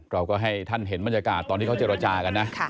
เราก็ให้ท่านเห็นบรรยากาศตอนที่เขาเจรจากันนะ